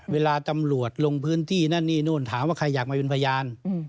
เวลาตำรวจลงพื้นที่นั่นนี่นู่นถามว่าใครอยากมาเป็นพยาน